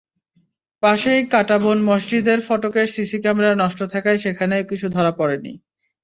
পাশেই কাঁটাবন মসজিদের ফটকের সিসি ক্যামেরা নষ্ট থাকায় সেখানেও কিছু ধরা পড়েনি।